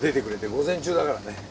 午前中だからね。